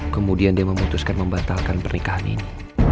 kemudian dia memutuskan membatalkan pernikahan ini